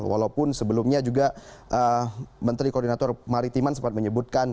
walaupun sebelumnya juga menteri koordinator maritiman sempat menyebutkan